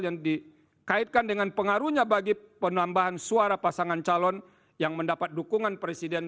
yang dikaitkan dengan pengaruhnya bagi penambahan suara pasangan calon yang mendapat dukungan presiden